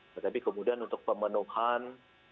tetapi kemudian untuk pemenuhan